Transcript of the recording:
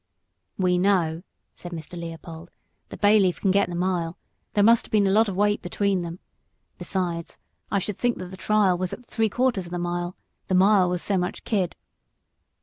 "We know," said Mr. Leopold, "that Bayleaf can get the mile; there must have been a lot of weight between them. Besides, I should think that the trial was at the three quarters of the mile. The mile was so much kid."